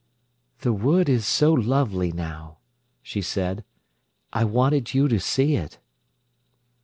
"The wood is so lovely now," she said. "I wanted you to see it."